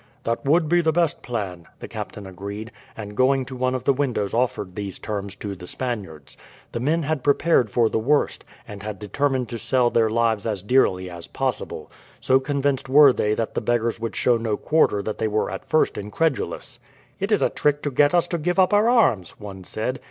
"That would be the best plan," the captain agreed, and going to one of the windows offered these terms to the Spaniards. The men had prepared for the worst, and had determined to sell their lives as dearly as possible. So convinced were they that the beggars would show no quarter that they were at first incredulous. "It is a trick to get us to give up our arms," one said.